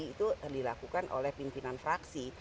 itu dilakukan oleh pimpinan fraksi